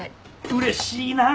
うれしいなぁ。